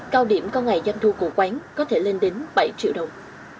cao điểm có ngày doanh thu của quán có thể lên đến bảy triệu đồng